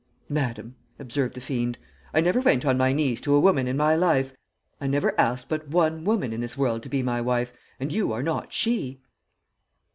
"'Madam,' observed the fiend, 'I never went on my knees to a woman in my life. I never asked but one woman in this world to be my wife, and you are not she.'